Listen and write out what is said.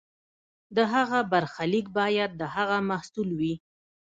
د هغه برخلیک باید د هغه محصول وي.